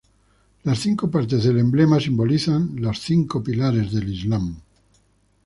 Las cinco partes del emblema simbolizan los cinco pilares del Islam.